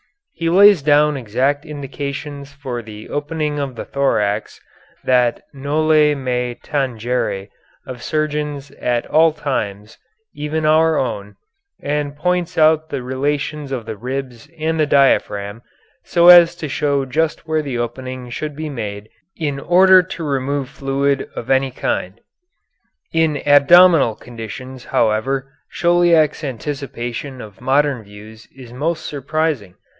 He lays down exact indications for the opening of the thorax, that noli me tangere of surgeons at all times, even our own, and points out the relations of the ribs and the diaphragm, so as to show just where the opening should be made in order to remove fluid of any kind. In abdominal conditions, however, Chauliac's anticipation of modern views is most surprising.